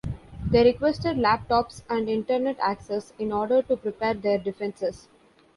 They requested laptops, and internet access, in order to prepare their defenses.